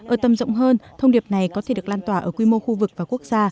ở tầm rộng hơn thông điệp này có thể được lan tỏa ở quy mô khu vực và quốc gia